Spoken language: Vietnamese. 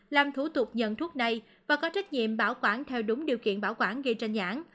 làm thủ tục nhận thuốc này và có trách nhiệm bảo quản theo đúng điều kiện bảo quản gây tranh nhãn